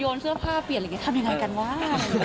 เสื้อผ้าเปลี่ยนอะไรอย่างนี้ทำยังไงกันวะ